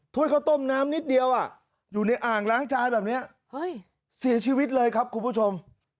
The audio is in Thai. ข้าวต้มน้ำนิดเดียวอยู่ในอ่างล้างจานแบบนี้เสียชีวิตเลยครับคุณผู้ชม